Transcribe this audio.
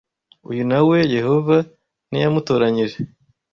uyu na we Yehova ntiyamutoranyije